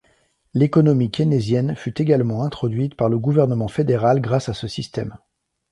L'économie keynésienne fut également introduite par le gouvernement fédéral grâce à ce système.